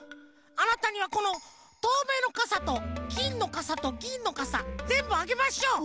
あなたにはこのとうめいのかさときんのかさとぎんのかさぜんぶあげましょう！